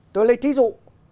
tôi lấy thí dụ